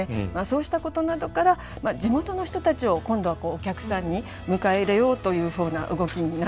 そうしたことなどから地元の人たちを今度はお客さんに迎え入れようというふうな動きになっていくんですね。